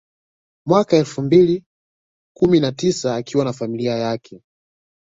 Mwaka elfu mbili kumi na tisa akiwa na familia yake